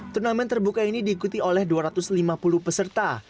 turnamen terbuka ini diikuti oleh dua ratus lima puluh peserta